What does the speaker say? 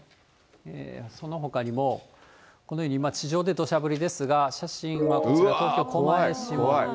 そのほかにも、このように地上でどしゃ降りですが、写真がこちら、東京・狛江市。